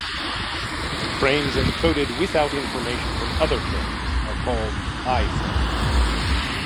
Frames encoded without information from other frames are called I-frames.